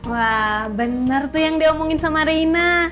wah benar tuh yang diomongin sama reina